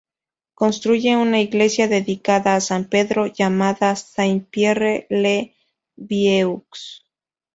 Construye una iglesia dedicada a San Pedro llamada Saint-Pierre-le-Vieux.